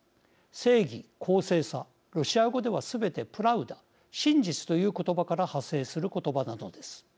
正義、公正さロシア語ではすべてプラウダ、真実という言葉から派生する言葉なのです。